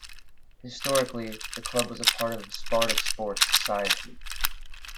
Historically, the club was a part of the Spartak sports society.